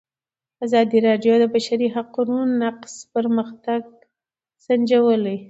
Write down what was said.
ازادي راډیو د د بشري حقونو نقض پرمختګ سنجولی.